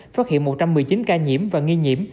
phát hiện một trăm một mươi chín ca nhiễm và nghi nhiễm